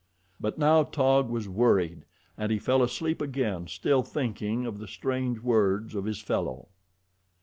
But now Taug was worried, and he fell asleep again still thinking of the strange words of his fellow.